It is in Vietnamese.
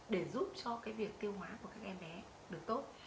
để giúp cho cái việc tiêu hóa của các em bé được tốt